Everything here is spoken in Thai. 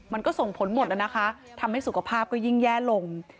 มันก็ส่งผลหมดแล้วนะคะทำให้สุขภาพก็ยิ่งแย่ลง